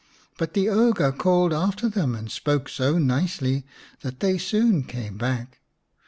But the ogre called after them and spoke so nicely that they so6n came back.